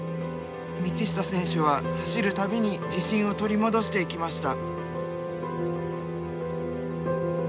道下選手は走る度に自信を取り戻していきました。